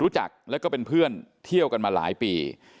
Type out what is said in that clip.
รู้จักแล้วก็เป็นเพื่อนเที่ยวกันมาหลายปี